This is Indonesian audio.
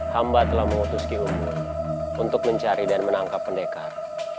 hamba telah mengutuski umur untuk mencari dan menangkap pendekar